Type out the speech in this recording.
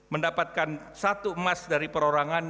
mendapatkan satu emas dari perorangan